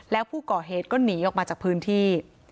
แล้วผู้ก่อเหตุก็หนีออกมาจากพื้นที่